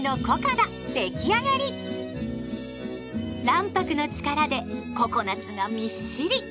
卵白の力でココナツがみっしり。